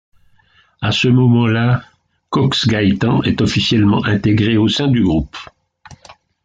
À ce moment-là, Cox Gaitan est officiellement intégré au sein du groupe.